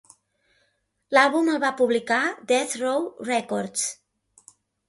L'àlbum el va publicar Death Row Records.